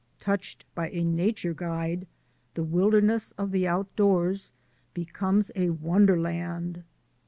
Touched by a nature guide the wilderness of the outdoors becomes a wonder land.